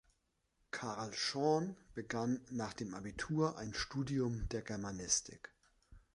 Karl Schorn begann nach dem Abitur ein Studium der Germanistik.